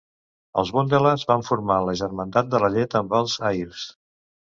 Els Bundelas van formar la "Germandat de la llet" amb els ahirs.